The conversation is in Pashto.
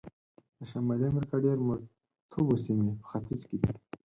د شمالي امریکا ډېر مرطوبو سیمې په ختیځ کې دي.